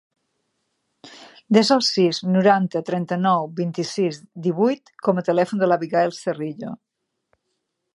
Desa el sis, noranta, trenta-nou, vint-i-sis, divuit com a telèfon de l'Abigaïl Cerrillo.